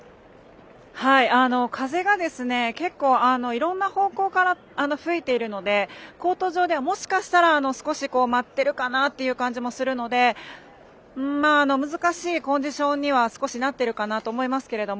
風が結構いろんな方向から吹いているのでコート上ではもしかしたら少し舞ってるかなという感じもするので難しいコンディションにはなってるかなと思うんですけど